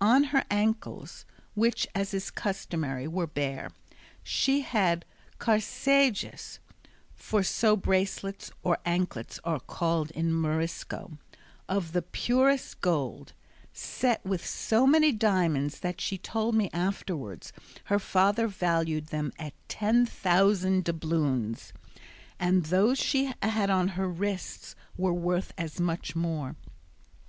On her ankles, which as is customary were bare, she had carcajes (for so bracelets or anklets are called in Morisco) of the purest gold, set with so many diamonds that she told me afterwards her father valued them at ten thousand doubloons, and those she had on her wrists were worth as much more.